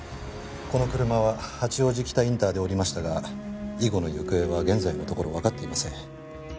この車は八王子北インターで降りましたが以後の行方は現在のところわかっていません。